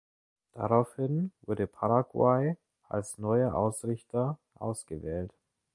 Daraufhin wurde Paraguay als neuer Ausrichter ausgewählt.